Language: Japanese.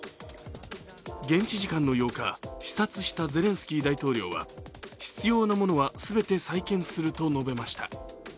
現地時間の８日、視察したゼレンスキー大統領は必要なものはすべて再建すると述べました。